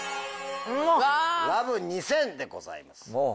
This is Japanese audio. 『ＬＯＶＥ２０００』でございます。